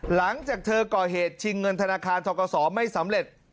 หลังจากเธอก่อเหตุชิงเงินธนาคารทกศไม่สำเร็จ